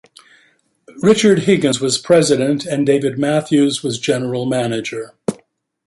Richard Higgins was president and David Matthews was general manager.